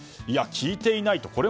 いや、聞いていないと。